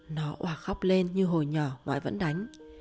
nó hoà khóc lên như hồi nhỏ ngoại vẫn đánh